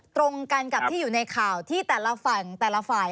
ตรงกันกับที่อยู่ในข่าวที่แต่ละฝั่งแต่ละฝ่าย